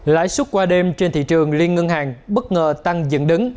lãi suất qua đêm trên thị trường liên ngân hàng bất ngờ tăng diễn đứng